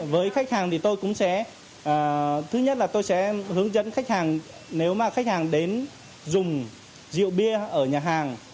với khách hàng thì tôi cũng sẽ thứ nhất là tôi sẽ hướng dẫn khách hàng nếu mà khách hàng đến dùng rượu bia ở nhà hàng